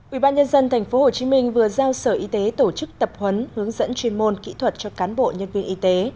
ủy ban nhân dân tp hcm vừa giao sở y tế tổ chức tập huấn hướng dẫn chuyên môn kỹ thuật cho cán bộ nhân viên y tế